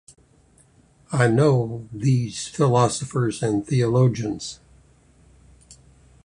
I know these philosophers and theologians.